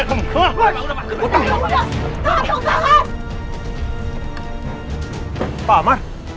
udah tahan tahan